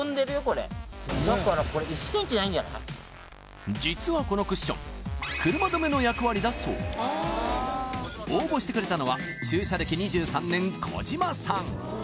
これだからこれ実はこのクッション車止めの役割だそう応募してくれたのは駐車歴２３年小島さん